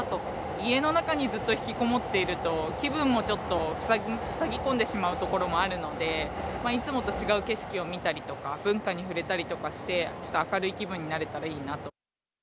家の中にずっと引きこもっていると、気分もちょっと、ふさぎ込んでしまうところもあるので、いつもと違う景色を見たりとか、文化に触れたりとかして、ちょっと明るい気分になれたらいいなと。